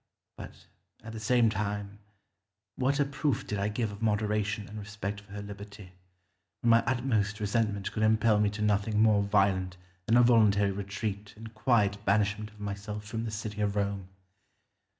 But, at the same time, what a proof did I give of moderation and respect for her liberty, when my utmost resentment could impel me to nothing more violent than a voluntary retreat and quiet banishment of myself from the city of Rome!